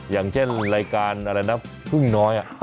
อย่างเช่นรายการอะไรนะพึ่งน้อย